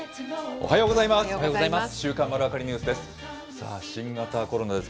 おはようございます。